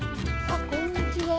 ああこんにちは。